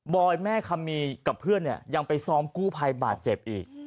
อยแม่คำมีกับเพื่อนเนี่ยยังไปซ้อมกู้ภัยบาดเจ็บอีก